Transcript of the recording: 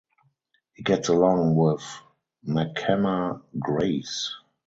He gets along with Mckenna Grace.